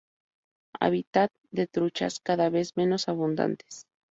Hábitat de truchas, cada vez menos abundantes.